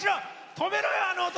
止めろよ、あの男！